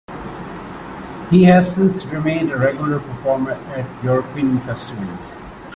He has since remained a regular performer at European festivals.